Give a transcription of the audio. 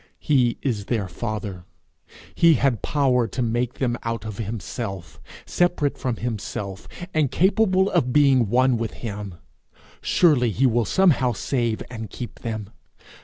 He is their Father; he had power to make them out of himself, separate from himself, and capable of being one with him: surely he will somehow save and keep them!